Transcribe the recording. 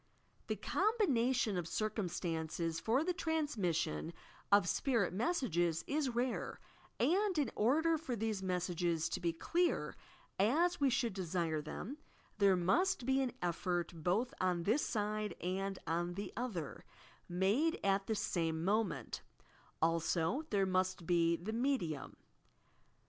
The combination of circumstances for the transmission of spirit messages is rare, and, in order for these messages to be clear, as we should desire them — there must be an effort both on this side and on the other, made at the same moment, also there must be the "medium."